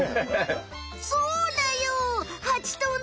そうだよ！